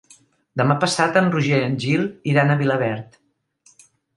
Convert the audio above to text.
Demà passat en Roger i en Gil iran a Vilaverd.